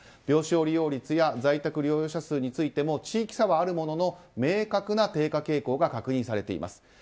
病床利用率や在宅療養者数についても地域差はあるものの明確な低下傾向が確認されています。